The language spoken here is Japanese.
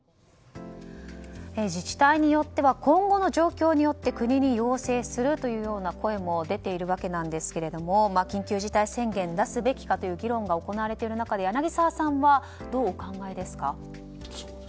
自治体によっては今後の状況によって国に要請するというような声も出ているわけですが緊急事態宣言出すべきかという議論が行われている中で柳澤さんは、どうお考えですか？